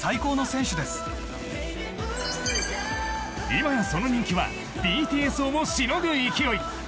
今やその人気はＢＴＳをもしのぐ勢い。